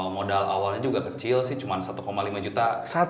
modal awalnya juga kecil sih cuma satu lima juta